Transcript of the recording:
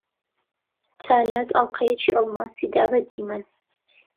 چالاک ئەڵقەیەکی ئەڵماسی دا بە دیمەن.